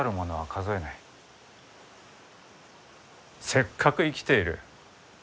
せっかく生きている。